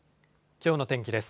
きょうの天気です。